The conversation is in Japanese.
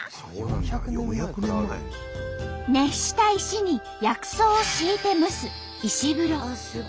熱した石に薬草を敷いて蒸す「石風呂」。